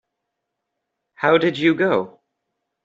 How did you go?